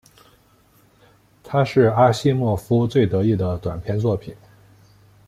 它是阿西莫夫最得意的短篇作品。